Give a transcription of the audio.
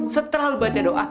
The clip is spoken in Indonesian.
setelah lu baca doa